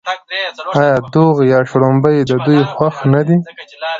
آیا دوغ یا شړومبې د دوی خوښ نه دي؟